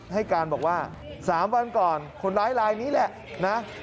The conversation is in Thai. ให้การบอกว่า๓วันก่อนคนร้ายลายนี้แหละนะ